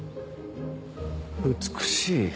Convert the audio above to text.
美しい。